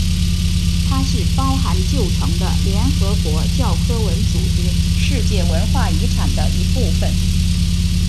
它是包含旧城的联合国教科文组织世界文化遗产的一部分。